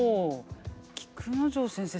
菊之丞先生